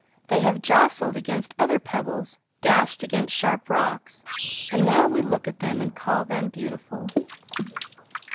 They have jostled against other pebbles, dashed against sharp rocks, and now we look at them and call them beautiful."